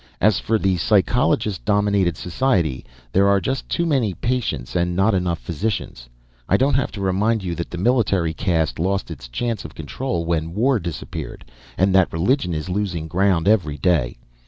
As for the psychologist dominated society, there are just too many patients and not enough physicians. I don't have to remind you that the military caste lost its chance of control when war disappeared, and that religion is losing ground every day.